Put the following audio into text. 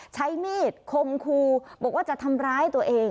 ใช้มีดคมคูบอกว่าจะทำร้ายตัวเอง